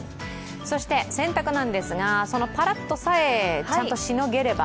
そして洗濯なんですが、そのパラッとさえちゃんとしのげれば。